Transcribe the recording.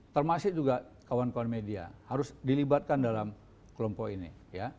termasuk juga kawan kawan media harus dilibatkan dalam kelompok ini ya